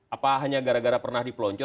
apa hanya gara gara pernah di pelonco